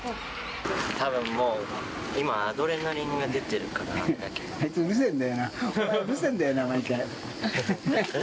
たぶんもう、今、アドレナリあいつ、うるせえんだよな。